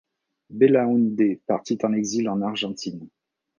Belaúnde partit en exil en Argentine.